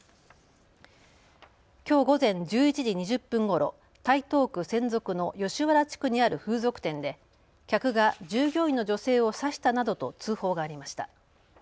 きょう午前１１時２０分ごろ、台東区千束の吉原地区にある風俗店で客が従業員の女性を刺したなどと通報がありました。